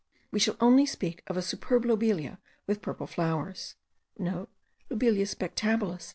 We shall only speak of a superb lobelia* with purple flowers (* Lobelia spectabilis.)